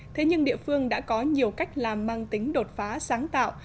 thế nhưng địa phương đã có nhiều cách làm mang tính đột phá sáng tạo